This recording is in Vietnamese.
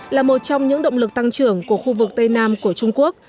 là một trong những động lực tăng trưởng của khu vực tây nam của trung quốc